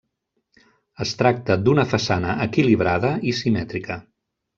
Es tracta d'una façana equilibrada i simètrica.